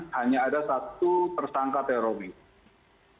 hanya ada satu tersangka teroris